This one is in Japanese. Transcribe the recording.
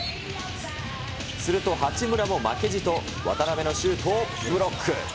すると八村も負けじと、渡邊のシュートをブロック。